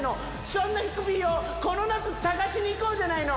そんな「ヒクピ」をこの夏探しにいこうじゃないの！